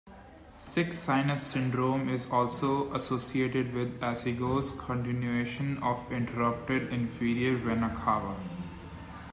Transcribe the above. Sick sinus syndrome is also associated with azygos continuation of interrupted inferior vena cava.